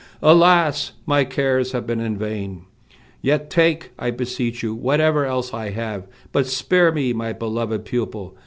Alas! my cares have been in vain! Yet, take, I beseech you, whatever else I have, but spare me my beloved pupil.